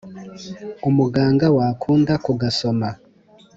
umuganga wakunda kugasoma